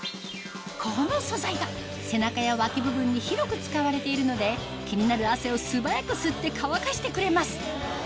・この素材が背中や脇部分に広く使われているので気になる汗を素早く吸って乾かしてくれます